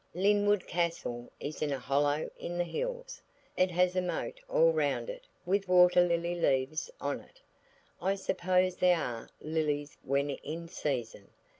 Lynwood Castle is in a hollow in the hills. It has a moat all round it with water lily leaves on it. I suppose there are lilies when in season.